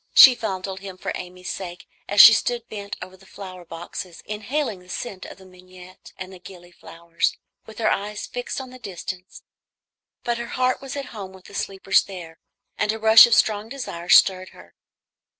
She fondled him for Amy's sake as she stood bent over the flower boxes, inhaling the scent of the mignonette and gilly flowers, with her eyes fixed on the distance; but her heart was at home with the sleepers there, and a rush of strong desire stirred her.